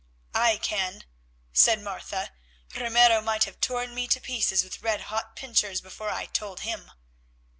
"I can," said Martha. "Ramiro might have torn me to pieces with red hot pincers before I told him."